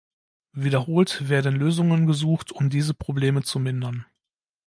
Wiederholt werden Lösungen gesucht, um diese Probleme zu mindern.